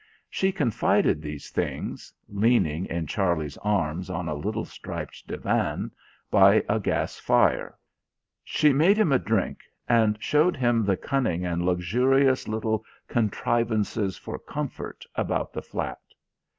She confided these things, leaning in Charlie's arms on a little striped divan by a gas fire. She made him a drink, and showed him the cunning and luxurious little contrivances for comfort about the flat.